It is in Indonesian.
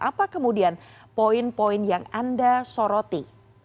apa kemudian poin poin yang anda soroti